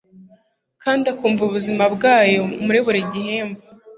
Kandi akumva ubuzima bwayo muri buri gihimba